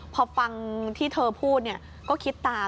พอฟังที่เธอพูดก็คิดตาม